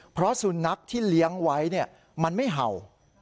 เพราะสุนัขที่เลี้ยงไว้มันไม่เห่า